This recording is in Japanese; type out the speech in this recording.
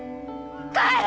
帰れ！